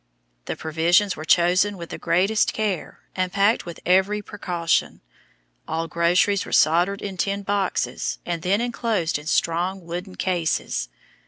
The provisions were chosen with the greatest care, and packed with every precaution. All groceries were soldered in tin boxes, and then enclosed in strong wooden cases.